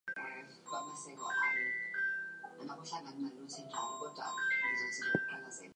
One of the things it addresses is voice delay.